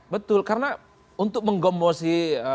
betul karena untuk menggembosi